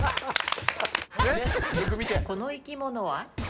この生き物は？